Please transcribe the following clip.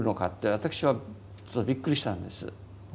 私はちょっとびっくりしたんです。